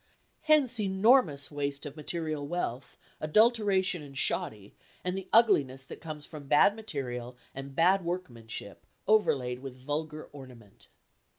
Hence enormous waste of material wealth, adulteration and shoddy, and the ugliness that comes from bad material and bad workmanship overlaid with vulgar ornament.